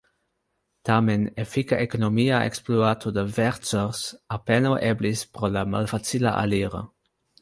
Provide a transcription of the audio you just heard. Tamen efika ekonomia ekspluato de Vercors apenaŭ eblis pro la malfacila aliro.